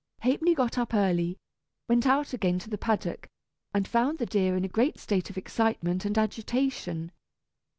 Ha'penny got up early, went out again to the paddock, and found the deer in a great state of excitement and agitation.